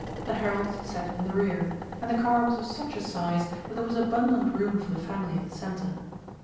The heralds sat in the rear, and the car was of such a size that there was abundant room for the family in the centre.